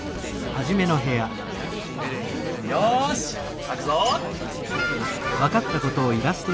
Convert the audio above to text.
よしかくぞ！